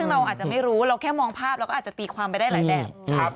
เราอาจจะไม่รู้รอง่ามองภาพเราก็ตีความไปได้หลายแดด